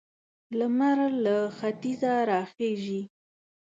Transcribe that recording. لمر له ختيځه را خيژي.